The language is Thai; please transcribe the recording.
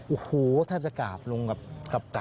โอ้โฮถ้าจะกราบลงกับกราบกราบ